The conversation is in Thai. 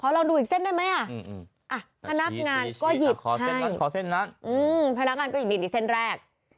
ขอลองดูอีกเส้นได้ไหมอ่ะอ่ะพนักงานก็หยิบให้อืมพนักงานก็หยิบนี่นี่เส้นแรก